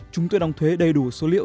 chúng tôi đóng thuế đầy đủ số liệu